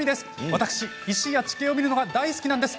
私、地形や石を見るのが大好きなんです。